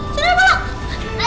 aduh mau ikut tadi